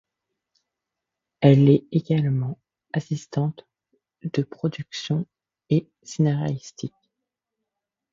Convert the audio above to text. Elle est également assistante de production et scénariste.